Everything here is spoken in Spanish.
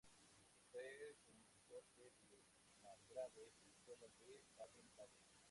Fue consorte del margrave Cristóbal de Baden-Baden.